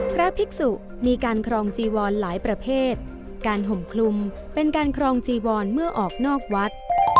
พระภิกษุมีการครองจีวรหลายประเภทการห่มคลุมเป็นการครองจีวรเมื่อออกนอกวัด